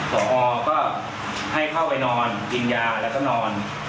พอก็ให้เข้าไปนอนกินยาแล้วก็นอน